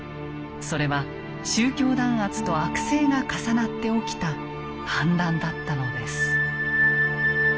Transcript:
それは宗教弾圧と悪政が重なって起きた反乱だったのです。